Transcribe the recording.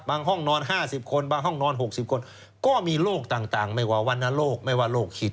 ห้องนอน๕๐คนบางห้องนอน๖๐คนก็มีโรคต่างไม่ว่าวรรณโรคไม่ว่าโรคหิต